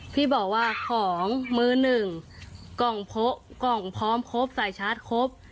พี่บอกว่าของมื้อนึงกล่องพร้อมครบสายชาร์จครบ